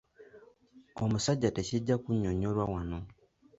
Omusajja tekijja kunnyonnyolwa wano.